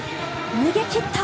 逃げ切った。